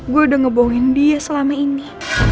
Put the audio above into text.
gue udah ngebohin dia selama ini